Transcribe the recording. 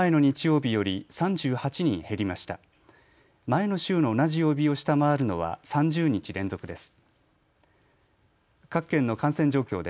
前の週の同じ曜日を下回るのは３０日連続です。